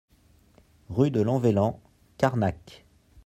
Rue de Lanvelan, Carnac